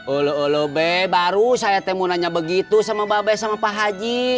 olo olo be baru saya temurannya begitu sama babay sama pak haji